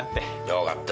よかったね。